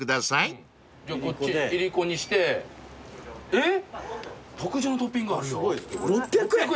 えっ！